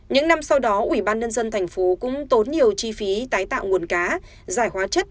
những năm sau đó ubnd tp hcm cũng tốn nhiều chi phí tái tạo nguồn cá giải hóa chất